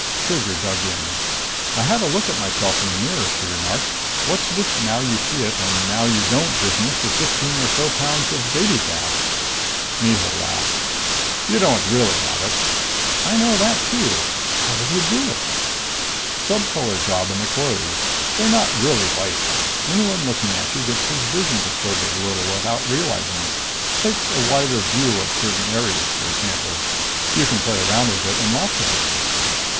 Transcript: Trigger dug in. "I had a look at myself in the mirror," she remarked. "What's this now you see it now you don't business of fifteen or so pounds of baby fat?" Mihul laughed. "You don't really have it." "I know that too. How do they do it?" "Subcolor job in the clothes. They're not really white. Anyone looking at you gets his vision distorted a little without realizing it. Takes a wider view of certain areas, for example. You can play it around in a lot of ways."